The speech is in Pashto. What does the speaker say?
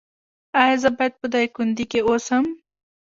ایا زه باید په دایکندی کې اوسم؟